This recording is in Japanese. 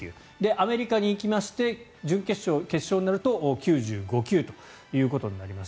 アメリカに行きまして準決勝、決勝になると９５球となります。